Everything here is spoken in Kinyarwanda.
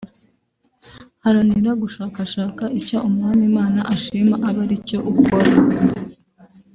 Haranira gushakashaka icyo Umwami Mana ashima abe aricyo ukora